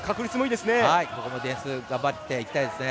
ここもディフェンスを頑張っていきたいですね。